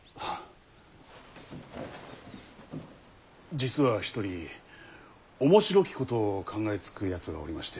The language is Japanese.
実は一人面白きことを考えつくやつがおりまして。